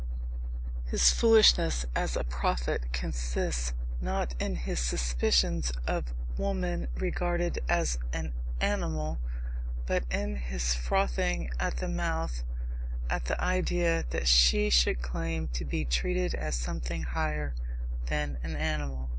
His foolishness as a prophet consists, not in his suspicions of woman regarded as an animal, but in his frothing at the mouth at the idea that she should claim to be treated as something higher than an animal.